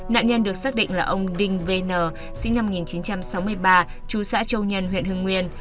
nạn nhân được xác định là ông đinh n sinh năm một nghìn chín trăm sáu mươi ba chú xã châu nhân huyện hưng nguyên